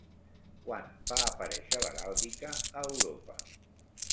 Quan va aparèixer l'heràldica a Europa?